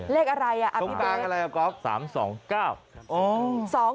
เลขอะไรอ่ะตรงกลางอะไรครับก๊อบ